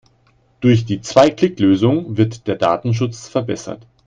Durch die Zwei-Klick-Lösung wird der Datenschutz verbessert.